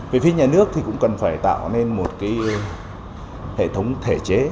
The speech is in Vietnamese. về phía nhà nước thì cũng cần phải tạo nên một cái hệ thống thể chế